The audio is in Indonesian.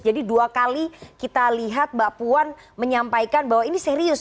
jadi dua kali kita lihat mbak puan menyampaikan bahwa ini serius